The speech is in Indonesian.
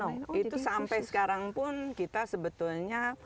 no no no itu sampai sekarang pun kita sebetulnya